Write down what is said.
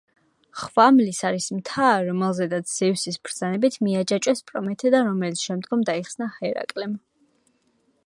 ხვამლის არის მთა, რომელზედაც ზევსის ბრძანებით მიაჯაჭვეს პრომეთე და რომელიც შემდგომ დაიხსნა ჰერაკლემ.